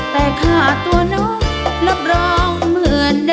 แต่ค่าตัวน้องรับรองเหมือนเดิม